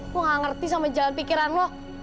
gue gak ngerti sama jalan pikiran lo